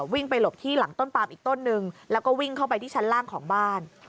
วิ่งไปหลบที่หลังต้นปามอีกต้นนึงแล้วก็วิ่งเข้าไปที่ชั้นล่างของบ้าน